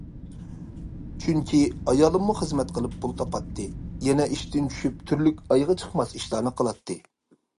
چۈنكى ئايالىممۇ خىزمەت قىلىپ پۇل تاپاتتى، يەنە ئىشتىن چۈشۈپ تۈرلۈك ئايىغى چىقماس ئىشلارنى قىلاتتى.